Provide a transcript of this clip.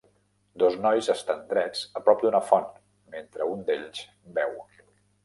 Dos nois estan drets a prop d'una font mentre un d'ells beu.